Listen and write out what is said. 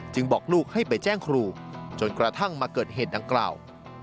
บอกลูกให้ไปแจ้งครูจนกระทั่งมาเกิดเหตุดังกล่าว